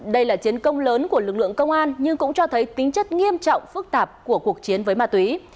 đây là chiến công lớn của lực lượng công an nhưng cũng cho thấy tính chất nghiêm trọng phức tạp của cuộc chiến với ma túy